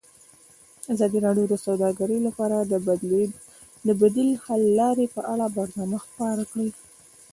ازادي راډیو د سوداګري لپاره د بدیل حل لارې په اړه برنامه خپاره کړې.